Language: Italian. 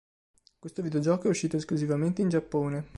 Questo videogioco è uscito esclusivamente in Giappone.